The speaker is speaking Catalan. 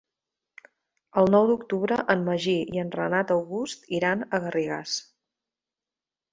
El nou d'octubre en Magí i en Renat August iran a Garrigàs.